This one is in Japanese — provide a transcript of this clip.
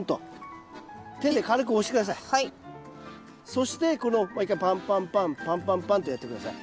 そしてもう一回パンパンパンパンパンパンとやって下さい。